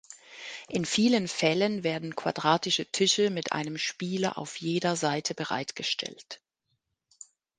In vielen Fällen werden quadratische Tische mit einem Spieler auf jeder Seite bereitgestellt.